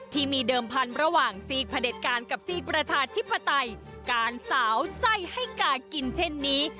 ที่มีเดิมพันธุ์ระหว่างซีกพระเด็จการกับซีกประชาธิปไตยการสาวไส้ให้กากินเช่นนี้